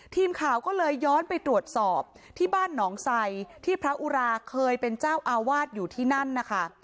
ทีมข่าวก็เลยย้อนไปตรวจสอบที่บ้านหนองไซที่พระอุราเคยเป็นเจ้าอาวาสอยู่ที่นั่นนะคะ